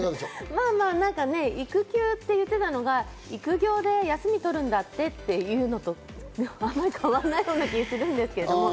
まぁまぁ、なんか育休って言ってたのが育業で休み取るんだって、っていうのとあまり変わらないような気がするんですけど。